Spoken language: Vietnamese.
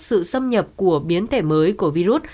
sự xâm nhập của biến thể mới của virus